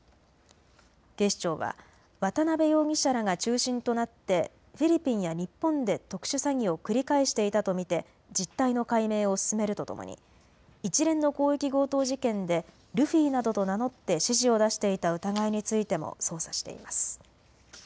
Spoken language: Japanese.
警視庁は渡邉容疑者らが中心となってフィリピンや日本で特殊詐欺を繰り返していたと見て実態の解明を進めるとともに一連の広域強盗事件でルフィなどと名乗って指示を出していた疑いについても捜査しています。